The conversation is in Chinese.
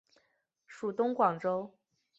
属东广州。